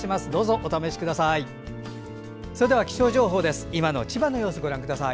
お試しください。